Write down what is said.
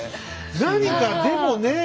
何かでもねえ